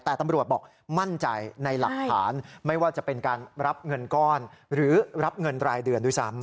แต่ตำรวจบอกมั่นใจในหลักฐานไม่ว่าจะเป็นการรับเงินก้อนหรือรับเงินรายเดือนด้วยซ้ำ